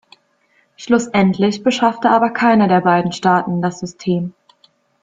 Schlussendlich beschaffte aber keiner der beiden Staaten das System.